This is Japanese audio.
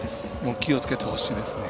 気をつけてほしいですね。